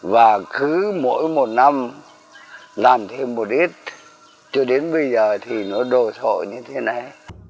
và cứ mỗi một năm làm thêm một ít cho đến bây giờ thì nó đồ sộ như thế này